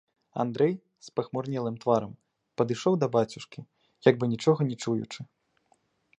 Андрэй з пахмурнелым тварам падышоў да бацюшкі, як бы нічога не чуючы.